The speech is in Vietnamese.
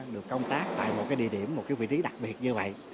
được công tác tại một cái địa điểm một vị trí đặc biệt như vậy